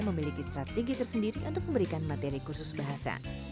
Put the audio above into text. memiliki strategi tersendiri untuk memberikan materi kursus bahasa